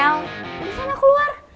lalu sana keluar